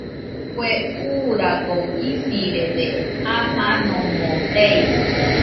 Kue uuragoɨ isirede, jamanomo teidɨkue.